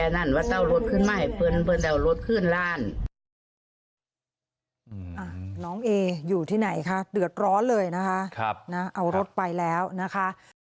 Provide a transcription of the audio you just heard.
เอารถไปแล้วนะคะ